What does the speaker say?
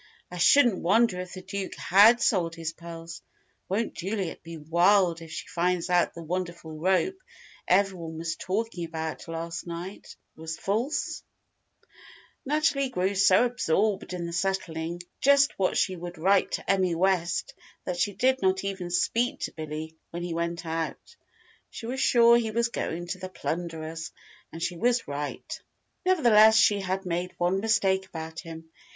"I shouldn't wonder if the Duke had sold his pearls. Won't Juliet be wild if she finds out the wonderful rope everyone was talking about last night was false?" Natalie grew so absorbed in settling just what she would write to Emmy West that she did not even speak to Billy when he went out. She was sure he was going to the "Plunderers," and she was right. Nevertheless, she had made one mistake about him.